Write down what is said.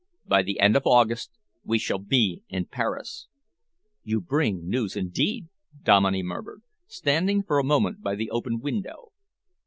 By the end of August we shall be in Paris." "You bring news indeed!" Dominey murmured, standing for a moment by the opened window.